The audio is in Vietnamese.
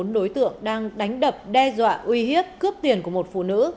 bốn đối tượng đang đánh đập đe dọa uy hiếp cướp tiền của một phụ nữ